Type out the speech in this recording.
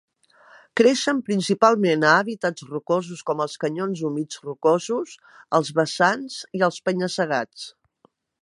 Creixen principalment a hàbitats rocosos com els canyons humits rocosos, els vessants i els penya-segats.